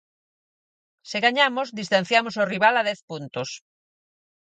Se gañamos, distanciamos o rival a dez puntos.